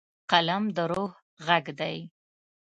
قلم د روح غږ دی.